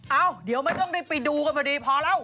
เอ้าเดี๋ยวมาต้องไปดูกันดีพอแล้ว